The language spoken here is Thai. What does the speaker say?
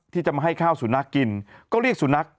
ที่จะมาให้ข้าวสู่นักกิน